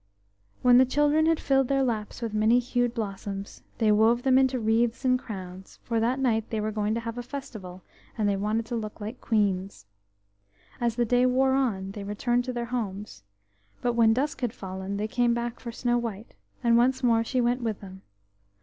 When the children had filled their laps with many hued blossoms, they wove them into wreaths and crowns, for that night they were going to have a festival, and they wanted to look like queens. As the day wore on they returned to their homes, but when dusk had fallen they came back for Snow white, and once more she went with them.